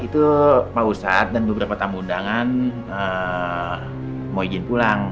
itu pak ustadz dan beberapa tamu undangan mau izin pulang